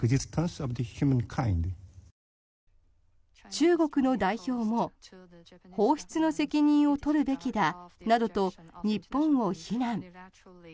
中国の代表も放出の責任を取るべきだなどと日本を非難。